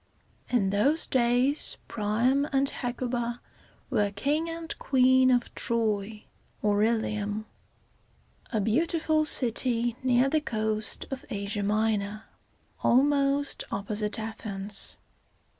In those days, Pri´am and Hec´u ba were King and Queen of Troy (or Il´i um), a beautiful city near the coast of Asia Minor, almost opposite Athens.